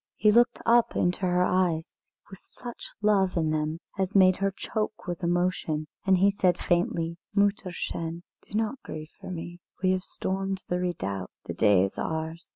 He looked up into her eyes, with such love in them as made her choke with emotion, and he said faintly: "Mütterchen, do not grieve for me; we have stormed the redoubt, the day is ours.